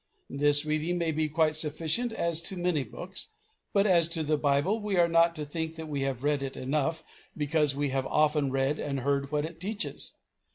This reading may be quite sufficient as to many books; but as to the Bible we are not to think that we have read it enough because we have often read and heard what it teaches.